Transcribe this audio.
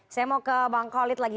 saya mau ke bang kolit lagi